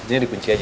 ini dikunci aja